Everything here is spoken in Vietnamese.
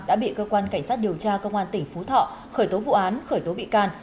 đã bị cơ quan cảnh sát điều tra công an tỉnh phú thọ khởi tố vụ án khởi tố bị can